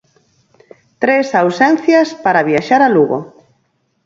Tres ausencias para viaxar a Lugo.